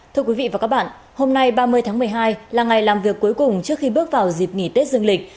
thưa quý vị và các bạn hôm nay ba mươi tháng một mươi hai là ngày làm việc cuối cùng trước khi bước vào dịp nghỉ tết dương lịch